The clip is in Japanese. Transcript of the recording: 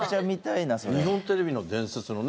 日本テレビの伝説のね